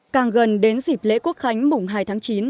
càng gần đến dịp lễ quốc khánh mùng hai tháng chín